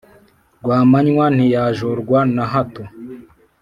rwamanywa ntiyajorwa na hato